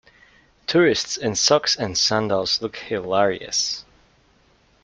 Tourists in socks and sandals look hilarious.